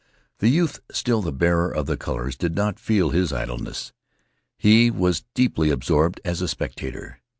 The youth, still the bearer of the colors, did not feel his idleness. He was deeply absorbed as a spectator.